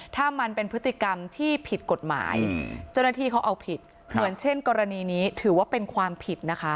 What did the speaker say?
ถ้ามันเป็นพฤติกรรมที่ผิดกฎหมายเจ้าหน้าที่เขาเอาผิดเหมือนเช่นกรณีนี้ถือว่าเป็นความผิดนะคะ